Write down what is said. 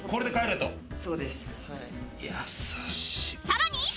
［さらに］